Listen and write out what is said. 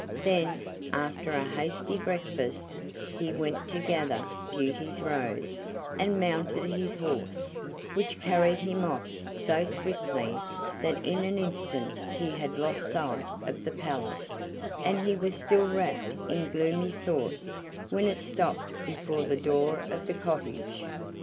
Then, after a hasty breakfast, he went to gather Beauty's rose, and mounted his horse, which carried him off so swiftly that in an instant he had lost sight of the palace, and he was still wrapped in gloomy thoughts when it stopped before the door of the cottage.